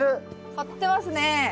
張ってますね。